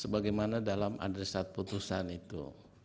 sebagaimana dalam adresat putusan itu